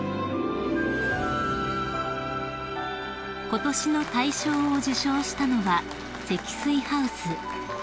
［ことしの大賞を受賞したのは積水ハウス］